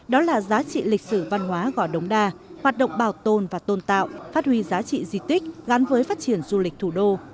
đó là giá trị lịch sử văn hóa gò đống đa hoạt động bảo tồn và tôn tạo phát huy giá trị di tích gắn với phát triển du lịch thủ đô